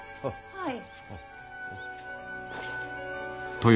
はい。